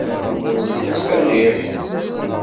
Yuba yella yettmerriḥ.